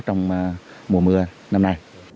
trong mùa mưa năm nay